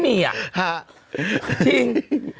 จริง